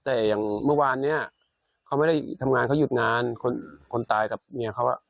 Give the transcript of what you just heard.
แต่อย่างเมื่อวานเนี่ยเขาไม่ได้ทำงานเขาหยุดงานคนตายกับเมียเขา